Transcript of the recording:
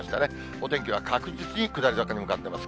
お天気は確実に下り坂に向かってます。